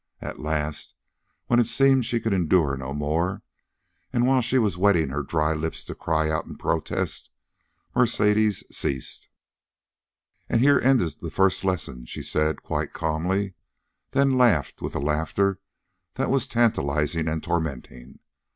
At last, when it seemed she could endure no more, and while she was wetting her dry lips to cry out in protest, Mercedes ceased. "And here endeth the first lesson," she said quite calmly, then laughed with a laughter that was tantalizing and tormenting.